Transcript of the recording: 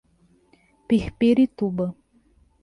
Pirpirituba